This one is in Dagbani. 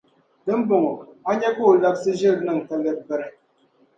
Di ni bɔŋɔ, a nya ka o labisi ʒiri niŋ ka lԑbi biri.